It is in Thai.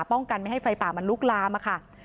ป้องกันไม่ให้ไฟป่ามันลุกลามค่ะ